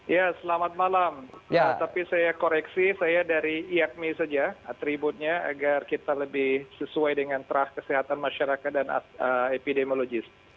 ya selamat malam tapi saya koreksi saya dari iakmi saja atributnya agar kita lebih sesuai dengan terah kesehatan masyarakat dan epidemiologis